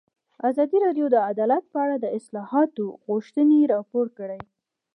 ازادي راډیو د عدالت په اړه د اصلاحاتو غوښتنې راپور کړې.